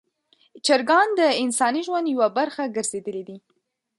چرګان د انساني ژوند یوه برخه ګرځېدلي دي.